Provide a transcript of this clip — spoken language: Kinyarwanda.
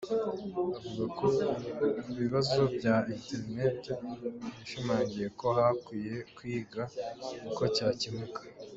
Avuga ku bibazo bya internete, yashimangiye ko hakwiye kwigwa uko cyakemuka.